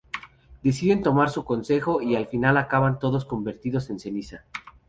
Deciden tomar su consejo y al final acaban todos convertidos en ceniza.